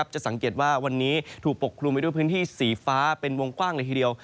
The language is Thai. จะสังเกตว่าวันนี้ถูกปกคลุมไปด้วยพื้นที่สีฟ้าเป็นวงกว้างเลยทีเดียว